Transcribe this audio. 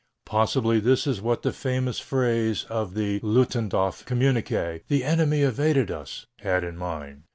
Possibly this is what the famous phrase of the Ludendorf communiqué, "The enemy evaded us," had in mind.